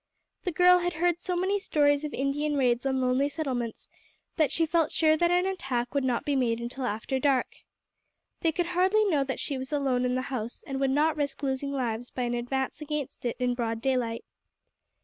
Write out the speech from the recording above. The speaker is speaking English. The girl had heard so many stories of Indian raids on lonely settlements that she felt sure that an attack would not be made until after dark. They could hardly know that she was alone in the house, and would not risk losing lives by an advance against it in broad daylight.